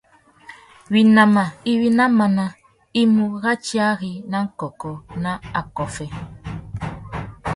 Winama iwí ná máná i mú ratiari nà kôkô nà akôffê.